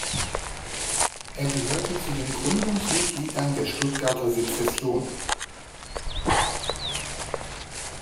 Er gehörte zu den Gründungsmitgliedern der Stuttgarter Sezession.